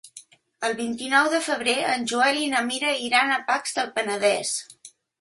El vint-i-nou de febrer en Joel i na Mira iran a Pacs del Penedès.